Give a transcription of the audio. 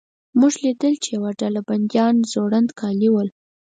موږ لیدل چې یوه ډله بندیان زوړند کالي ول.